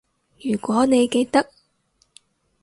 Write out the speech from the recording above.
如果你記得